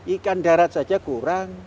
ikan darat saja kurang